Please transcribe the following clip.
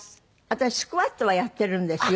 私スクワットはやってるんです夜。